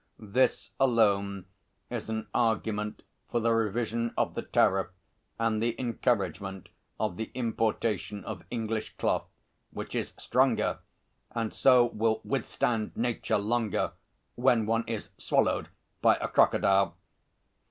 This alone is an argument for the revision of the tariff and the encouragement of the importation of English cloth, which is stronger and so will withstand Nature longer when one is swallowed by a crocodile.